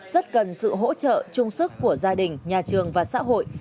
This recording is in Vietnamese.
rất cần sự hỗ trợ trung sức của gia đình nhà trường và xã hội